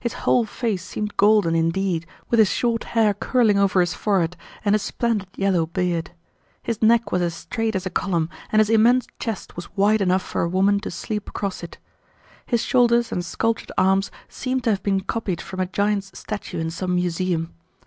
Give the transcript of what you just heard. His whole face seemed golden indeed with his short hair curling over his forehead and his splendid yellow beard. His neck was as straight as a column and his immense chest was wide enough for a woman to sleep across it. His shoulders and sculptured arms seemed to have been copied from a giant's statue in some museum.